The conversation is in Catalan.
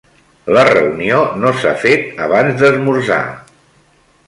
La reunió no s'ha fet abans d'esmorzar.